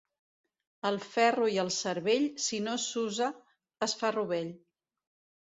El ferro i el cervell, si no s'usa, es fa rovell.